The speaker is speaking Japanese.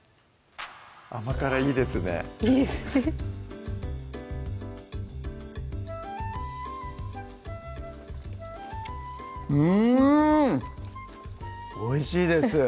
甘辛いいですねいいですうんおいしいです